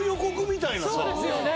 そうですよね。